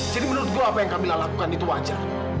jadi menurut gue apa yang kamila lakukan itu wajar